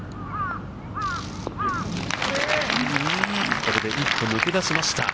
これで一歩抜け出しました。